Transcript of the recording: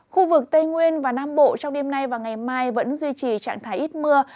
khu vực tây nguyên và nam bộ trong đêm nay và ngày mai vẫn duy trì trạng thái ít mưa